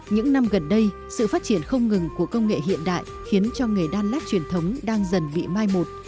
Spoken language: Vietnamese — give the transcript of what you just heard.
những năm gần đây sự phát triển không ngừng của công nghệ hiện đại khiến cho nghề đan lát truyền thống đang dần bị mai một